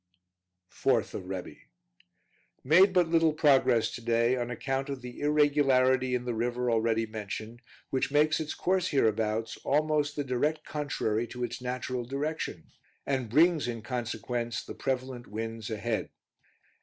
4th of Rebi. Made but little progress to day, on account of the irregularity in the river already mentioned, which makes its course hereabouts almost the direct contrary to its natural direction, and brings, in consequence, the prevalent winds ahead.